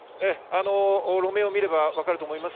路面を見れば分かると思います。